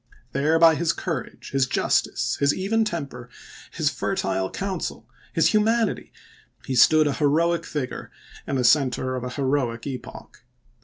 There by his courage, his justice, his even temper, his fertile counsel, his humanity, he stood a heroic figure in the center of a heroic epoch.